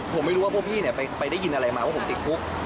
ผมไม่รู้ว่าพวกพี่เนี่ยไปได้ยินอะไรมาว่าผมติดคุก